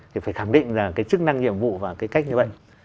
thì phải khẳng định là cái chức năng nhiệm vụ và cái cách như vậy